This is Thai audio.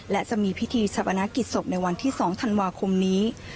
และจะมีพิธีชาปนากิจศพในวันที่๒ธันวาคมนี้